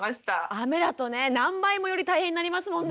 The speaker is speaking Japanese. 雨だとね何倍もより大変になりますもんね。